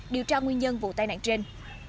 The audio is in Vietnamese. điều tra nguyên nhân vụ tai nạn trên